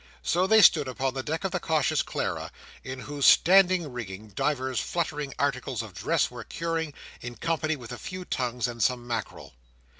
So they stood upon the deck of the Cautious Clara, in whose standing rigging, divers fluttering articles of dress were curing, in company with a few tongues and some mackerel.